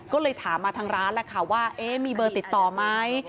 ก็เลยถามมาทางร้านแหละค่ะว่ามีเบอร์ติดต่อไหม